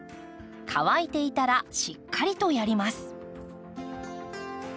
乾いていたらしっかりとやります。